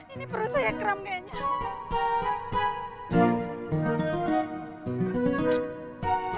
ini perut saya keram kayaknya